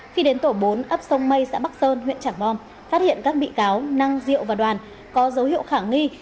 khi đến tổ bốn ấp sông mây xã bắc sơn huyện trảng bom phát hiện các bị cáo năng diệu và đoàn có dấu hiệu khả nghi